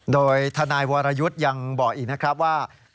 โดยทนายวรยุทธ์ยังบอกอีกนะครับว่า